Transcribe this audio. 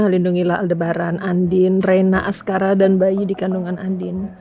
lindungilah al debaran andin reina askara dan bayi di kandungan andin